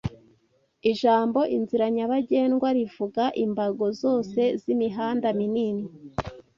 Ijambo Inzira nyabagendwarivuga imbago zose z'imihanda minini